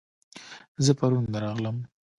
زه پرون درغلم